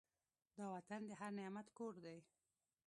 دا وطن د هر نعمت کور دی.